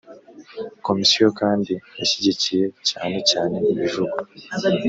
komisiyo kandi yashyigikiye cyane cyane ibivugwa